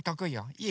いい？